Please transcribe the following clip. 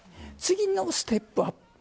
次のステップアップ。